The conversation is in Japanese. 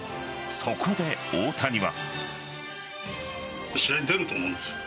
そこで大谷は。